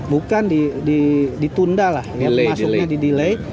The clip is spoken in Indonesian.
bukan ditunda masuknya didelay